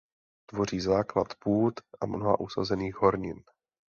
Tvoří základ půd a mnoha usazených hornin.